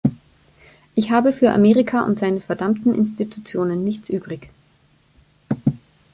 Ich habe für Amerika und seine verdammten Institutionen nichts übrig“.